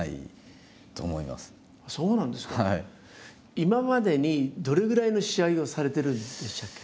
今までにどれぐらいの試合をされてるんでしたっけ？